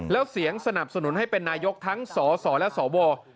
แล้วเสียงสนับสนุนให้เป็นนายกทั้งสสและสว